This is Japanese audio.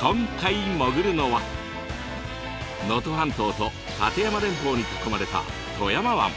今回潜るのは能登半島と立山連峰に囲まれた富山湾。